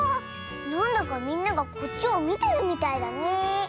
なんだかみんながこっちをみてるみたいだねえ。